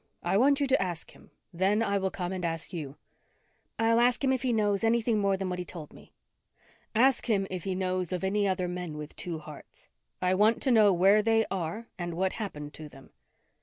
I want you to ask him. Then I will come and ask you." "I'll ask him if he knows anything more than what he told me." "Ask him if he knows of any other men with two hearts. I want to know where they are and what happened to them."